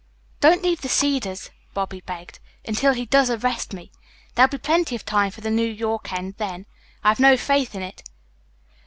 "Don't leave the Cedars," Bobby begged, "until he does arrest me. There'll be plenty of time for the New York end then. I've no faith in it.